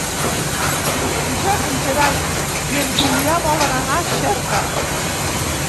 Diumenge en Gerai i en Julià volen anar a Xerta.